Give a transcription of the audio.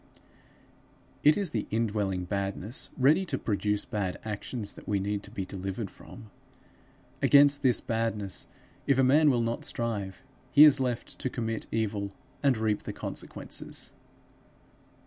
It is the indwelling badness, ready to produce bad actions, that we need to be delivered from. Against this badness if a man will not strive, he is left to commit evil and reap the consequences.